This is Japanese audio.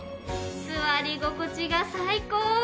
座り心地が最高。